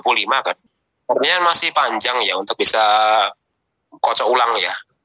artinya masih panjang ya untuk bisa kocok ulang ya